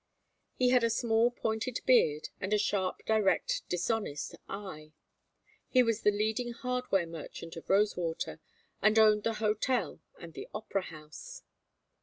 He had a small pointed beard and a sharp direct dishonest eye. He was the leading hardware merchant of Rosewater and owned the hotel and the opera house.